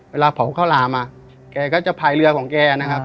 เวลาเผาข้าวหลามาแกก็จะพายเรือของแกนะครับ